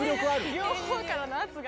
両方からの圧が。